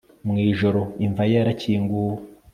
Mwijoro Imva ye yarakinguwe